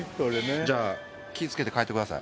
じゃあ気つけて帰ってください。